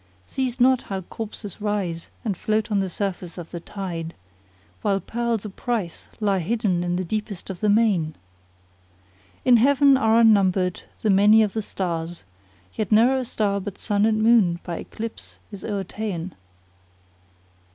See'st not how corpses rise and float on the surface of the tide * While pearls o'price lie hidden in the deepest of the main! In Heaven are unnumbered the many of the stars * Yet ne'er a star but Sun and Moon by eclipse is overta'en.